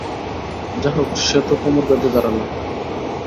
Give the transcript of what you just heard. যা হোক, সে তো কোমর বেঁধে দাঁড়ালো।